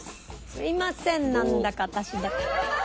すいませんなんだか私だけ。